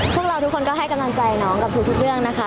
พวกเราทุกคนก็ให้กำลังใจน้องกับทุกเรื่องนะคะ